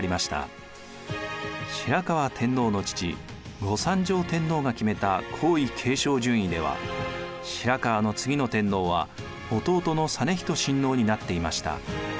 白河天皇の父後三条天皇が決めた皇位継承順位では白河の次の天皇は弟の実仁親王になっていました。